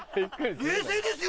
冷静ですよ！